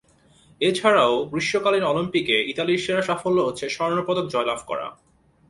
এছাড়াও, গ্রীষ্মকালীন অলিম্পিকে ইতালির সেরা সাফল্য হচ্ছে স্বর্ণ পদক জয়লাভ করা।